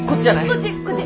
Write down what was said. こっちこっち！